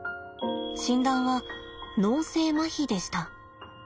診断は脳性まひでした。